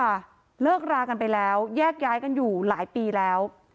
เลิกรากันไปแล้วแยกย้ายกันอยู่หลายปีแล้ว